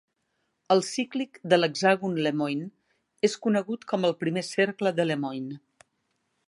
El cíclic de l'hexàgon Lemoine és conegut com el primer cercle de Lemoine.